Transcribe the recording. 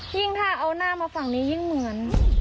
ยิ่งถ้าเอาหน้ามาฝั่งนี้ยิ่งเหมือน